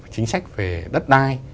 chính sách về đất đai